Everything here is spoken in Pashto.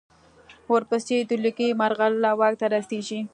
ورپسې د لوګي مرغلره واک ته رسېږي.